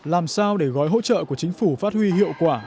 làm sao để gói hỗ trợ của chính phủ phát huy hiệu quả